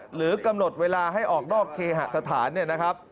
หรือกำหนดเวลาให้ออกนอกเคหสถาน